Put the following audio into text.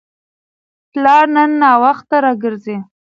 پلار نن ناوخته راګرځي.